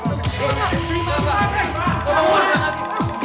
tidak tidak tidak